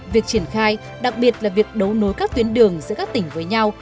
việc triển khai đặc biệt là việc đấu nối các tuyến đường giữa các tỉnh với nhau